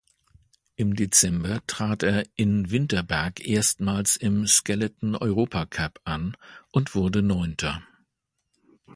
Im Dezember trat er in Winterberg erstmals im Skeleton-Europacup an und wurde Neunter.